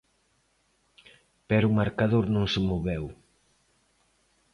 Pero o marcador non se moveu.